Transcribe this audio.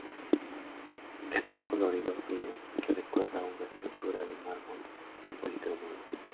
Es un colorido frío, que recuerda a una escultura de mármol policromado.